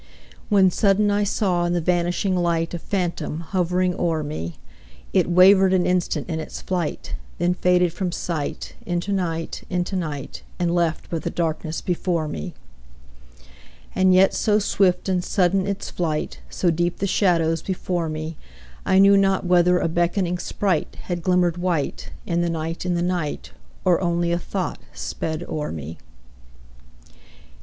When sudden I saw in the vanishing light A phantom hovering o'er me; It wavered an instant in its flight; Then faded from sight, into night, into night, And left but the darkness before me. And yet so swift and sudden its flight, So deep the shadows before me, I knew not whether a beckoning sprite Had glimmered white, in the night, in the night, Or only a thought sped o'er me.